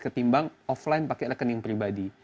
ketimbang offline pakai rekening pribadi